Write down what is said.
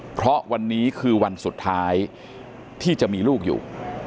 เพราะวันนี้คือวันสุดท้ายที่จะมีลูกอยู่